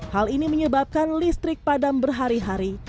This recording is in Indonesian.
hal ini menyebabkan listrik padam berhari hari